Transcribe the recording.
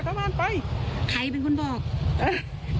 พี่บุหรี่พี่บุหรี่พี่บุหรี่